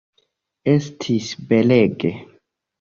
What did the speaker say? Estis belege.